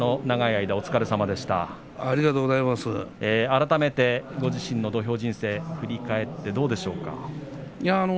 改めてご自身の土俵人生を振り返ってどうでしょう。